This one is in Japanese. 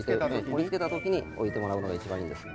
盛りつけた時に置いてもらうのが一番いいんです。